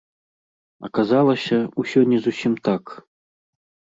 Аказалася, усё не зусім так.